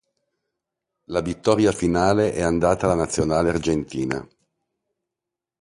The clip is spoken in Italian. La vittoria finale è andata alla nazionale argentina.